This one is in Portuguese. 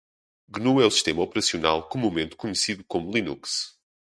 Gnu é o sistema operacional comumente conhecido como Linux.